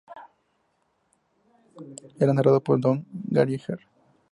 Era narrado por Don Gallagher.